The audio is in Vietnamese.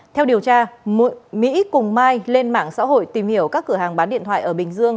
theo điều tra mỹ cùng mai lên mạng xã hội tìm hiểu các cửa hàng bán điện thoại ở bình dương